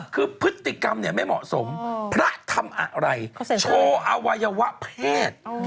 คือพฤติกรรมเนี่ยไม่เหมาะสมพระทำอะไรโชว์อวัยวะเพศ